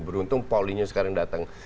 beruntung paulinho sekarang datang